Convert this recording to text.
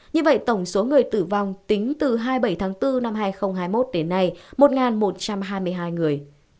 như vậy tổng số người tử vong tính từ hai mươi bảy tháng bốn năm hai nghìn hai mươi một đến nay một một trăm hai mươi hai người